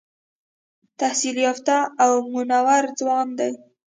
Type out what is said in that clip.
تحصیل یافته او منور ځوان دی.